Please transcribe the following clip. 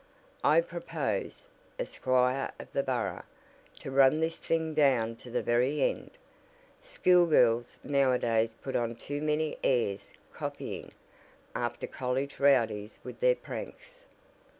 "I propose, as squire of the borough, to run this thing down to the very end. School girls now a days put on too many airs copyin' after college rowdies with their pranks!"